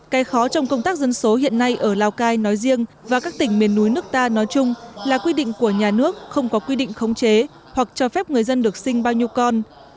cái khó trong công tác dân số hiện nay ở lào cai nói riêng và các tỉnh miền núi nước ta nói chung là quy định của nhà nước không có quy định khống chế hoặc cho phép người dân được sinh bao nhiêu con